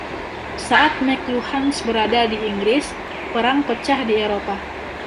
Saat McLuhans berada di Inggris, perang pecah di Eropa.